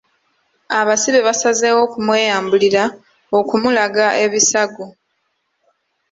Abasibe basazeewo okumweyambulira okumulaga ebisago.